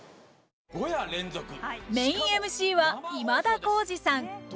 メインＭＣは今田耕司さん。